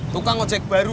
tukang ojek baru